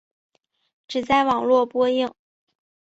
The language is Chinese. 只在网络播映。